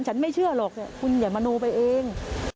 ไม่เชื่อหรอกคุณอย่ามโนไปเอง